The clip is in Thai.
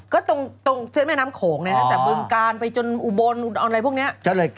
ก็ตรงเส้นแม่น้ำโขงนะตั้งแต่บึงกาลไปจนอุบลอะไรพวกนี้